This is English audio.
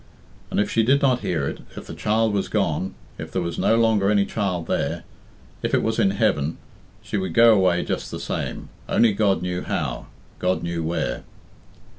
And if she did not hear it, if the child was gone, if there was no longer any child there, if it was in heaven, she would go away just the same only God knew how, God knew where.